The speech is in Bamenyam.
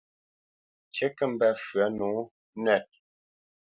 Ŋkǐ kǝ́ mbǝ́ fywǝ̂ nǒ nǝt.